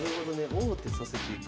王手させていく。